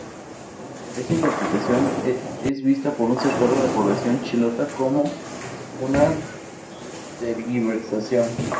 Esta interpretación es vista por un sector de la población chilota como una tergiversación.